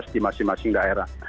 di masing masing daerah